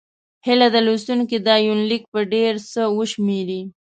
هيله ده لوستونکي دا یونلیک په ډېر څه وشمېري.